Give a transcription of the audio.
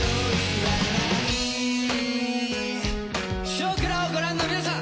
「少クラ」をご覧の皆さん